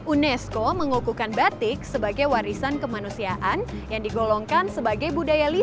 unesco mengukuhkan batik sebagai warisan kemanusiaan yang digolongkan sebagai budaya lidah